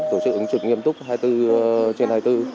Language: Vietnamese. chúng tôi đã tổ chức nghiêm túc hai mươi bốn trên hai mươi bốn